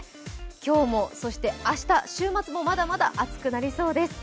今日もそして明日、週末もまだまだ暑くなりそうです。